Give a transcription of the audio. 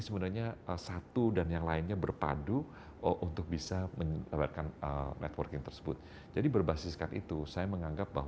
sebenarnya satu dan yang lainnya berpadu untuk bisa menyebabkan networking tersebut jadi berbasiskan